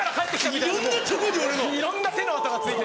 いろんな手のあとがついて。